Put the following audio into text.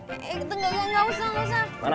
eh itu nggak nggak nggak usah nggak usah